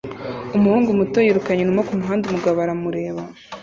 Umuhungu muto yirukanye inuma kumuhanda umugabo aramureba